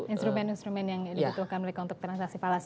instrumen instrumen yang dibutuhkan mereka untuk transaksi falas